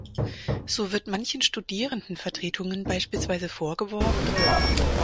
So wird manchen Studierendenvertretungen beispielsweise vorgeworfen,